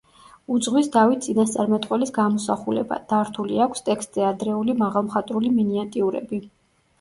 უძღვის დავით წინასწარმეტყველის გამოსახულება, დართული აქვს ტექსტზე ადრეული მაღალმხატვრული მინიატიურები.